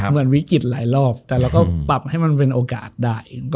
เหมือนวิกฤตหลายรอบแต่เราก็ปรับให้มันเป็นโอกาสได้